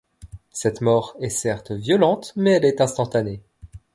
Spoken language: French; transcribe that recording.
Cette mort est certes violente mais elle est instantanée.